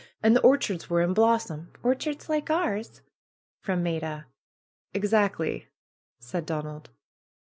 And the orchards were in blossom ^'Orchards like ours?" from Maida. '^Exactly!" said Donald.